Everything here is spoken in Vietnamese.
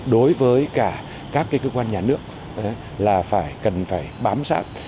đối với cả các cơ quan nhà nước là phải cần phải bám sát